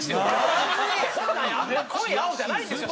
「本来あんな濃い青じゃないんですよ